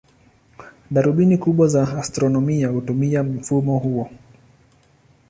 Darubini kubwa za astronomia hutumia mfumo huo.